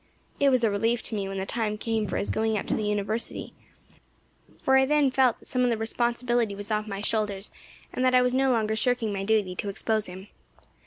It was a relief to me when the time came for his going up to the University, for I then felt that some of the responsibility was off my shoulders, and that I was no longer shirking my duty to expose him.